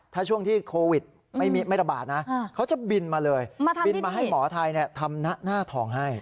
ถ้าช่วงที่โควิดไม่มีไม่ระบาดนะอ่าเขาจะบินมาเลยมาทำที่นี่บินมาให้หมอไทยเนี่ยทำหน้าหน้าทองให้